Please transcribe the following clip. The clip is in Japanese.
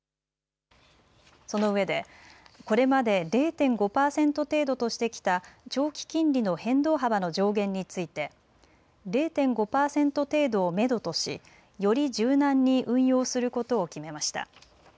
そのうえでこれまで０．５％程度としてきた長期金利の変動幅の上限について０．５％程度をめどとしより柔軟に運用することを決めました。